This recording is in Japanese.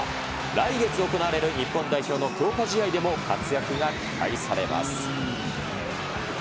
来月行われる日本代表の強化試合でも活躍が期待されます。